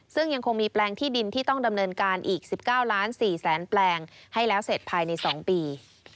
ซึ่งยังคงมีแปลงที่ดินที่ต้องดำเนินการอีก๑๙ล้าน๔แสนแปลงให้แล้วเสร็จภายใน๒ปี